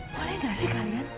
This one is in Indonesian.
boleh gak sih kalian